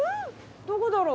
どこだろう？